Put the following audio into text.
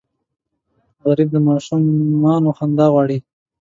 غریب د ماشومانو خندا غواړي